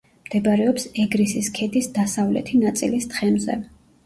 მდებარეობს ეგრისის ქედის დასავლეთი ნაწილის თხემზე.